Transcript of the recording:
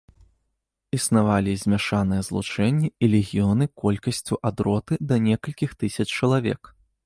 Існавалі і змяшаныя злучэнні і легіёны колькасцю ад роты да некалькіх тысяч чалавек.